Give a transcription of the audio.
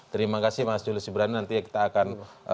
terima kasih mas juli sibran nanti ya kita akan